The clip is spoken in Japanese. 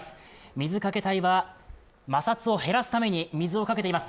水かけ隊は、摩擦を減らすために水をかけています。